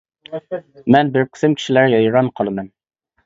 مەن بىر قىسىم كىشىلەرگە ھەيران قالىمەن.